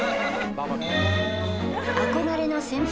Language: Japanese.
憧れの先輩